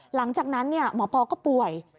หลังจากนั้นหมอปอก็ป่วย